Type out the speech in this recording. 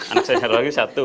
anak saya satu lagi satu